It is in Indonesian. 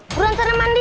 buruan sana mandi